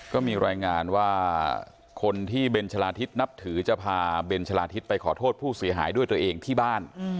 ก็มีรายงานว่าคนที่เบนชะลาทิศนับถือจะพาเบนชะลาทิศไปขอโทษผู้เสียหายด้วยตัวเองที่บ้าน